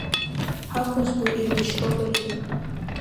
Ҳақәызго еибашьроуп ари!